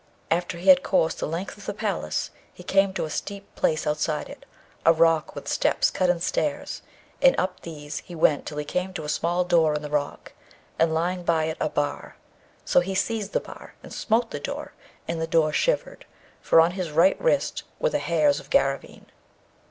After he had coursed the length of the palace, he came to a steep place outside it, a rock with steps cut in stairs, and up these he went till he came to a small door in the rock, and lying by it a bar; so he seized the bar and smote the door, and the door shivered, for on his right wrist were the hairs of Garraveen.